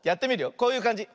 こういうかんじ。